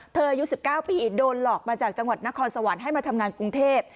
อายุ๑๙ปีโดนหลอกมาจากจังหวัดนครสวรรค์ให้มาทำงานกรุงเทพ